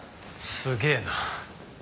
すげえな。